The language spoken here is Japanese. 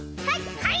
はい！